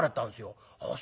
ああ